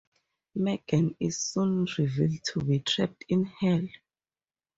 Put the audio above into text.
Meggan is soon revealed to be trapped in Hell.